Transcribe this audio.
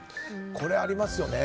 これありますよね。